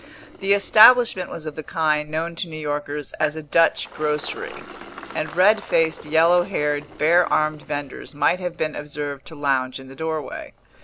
The establishment was of the kind known to New Yorkers as a Dutch grocery; and red faced, yellow haired, bare armed vendors might have been observed to lounge in the doorway.